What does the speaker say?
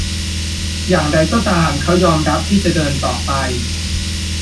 อย่างไรก็ตาม เขายอมรับที่จะเดินต่อไป